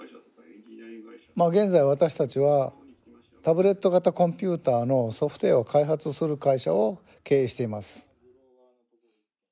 まあ現在私たちはタブレット型コンピューターのソフトウエアを開発する会社を経営しています。